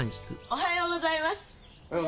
おはようございます。